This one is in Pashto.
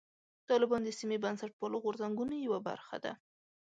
طالبان د سیمې بنسټپالو غورځنګونو یوه برخه ده.